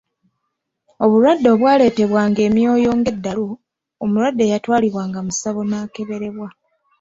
Obulwadde obwaleetebwanga emyoyo nga eddalu omulwadde yatwalibwanga mu ssabo n'akeberebwa.